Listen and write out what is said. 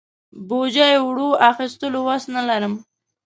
بوجۍ اوړو اخستلو وس نه لرم.